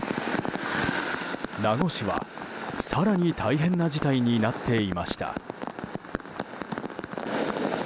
名護市は、更に大変な事態になっていました。